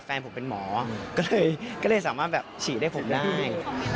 แฟนผมเป็นหมอก็เลยเขาเลยสามารถแบบฉีด้วยผมได้